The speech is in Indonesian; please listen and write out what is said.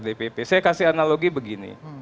dpp saya kasih analogi begini